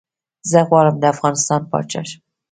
زه غواړم ده افغانستان پاچا شم